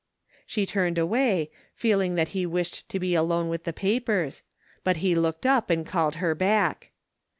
She turned away, feeling that he wished to be alone with the papers, but he looked up and called her back.